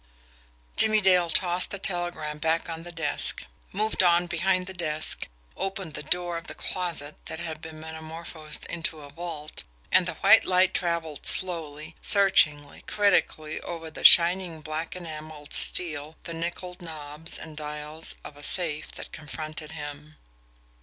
Jimmie Dale tossed the telegram back on the desk, moved on behind the desk, opened the door of the closet that had been metamorphosed into a vault and the white light travelled slowly, searchingly, critically over the shining black enamelled steel, the nickelled knobs, and dials of a safe that confronted him.